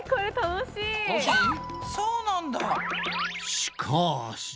そうなんだ。